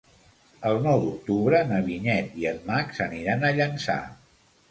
El nou d'octubre na Vinyet i en Max aniran a Llançà.